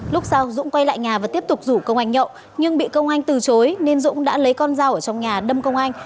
lúc sau dũng quay lại nhà và tiếp tục rủ công anh nhậu nhưng bị công anh từ chối nên dũng đã lấy con dao ở trong nhà đâm công anh